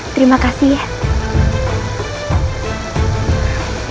terima kasih ya